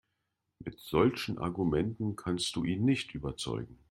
Mit solchen Argumenten kannst du ihn nicht überzeugen.